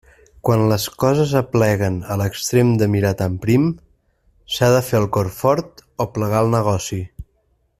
Quan les coses apleguen a l'extrem de mirar tan prim, s'ha de fer el cor fort o plegar el negoci.